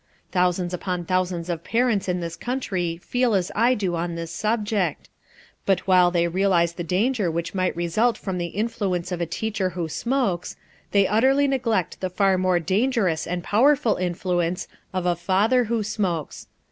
Thousands upon thousands of parents in this country feel as I do on this subject; but while they realize the danger which might result from the influence of a teacher who smokes, they utterly neglect the far more dangerous and powerful influence of a father who smokes.